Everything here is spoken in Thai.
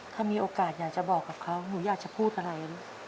ถ้ามีโอกาสอยากจะบอกกับเขาหนูอยากจะพูดอะไรลูก